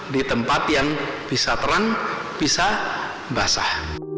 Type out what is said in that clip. di tempat yang bisa terang bisa basah